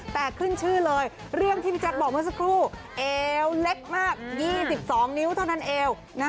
แต่ขึ้นชื่อเลยเรื่องที่พี่แจ๊คบอกเมื่อสักครู่เอวเล็กมาก๒๒นิ้วเท่านั้นเอง